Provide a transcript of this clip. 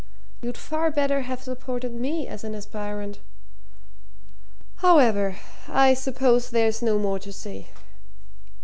You'd far better have supported me as an aspirant! However I suppose there's no more to say."